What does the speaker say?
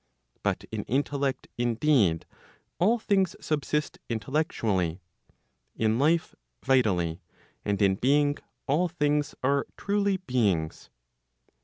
But in intellect indeed, all things subsist intellectually, in life vitally, and in being, all things are truly beings.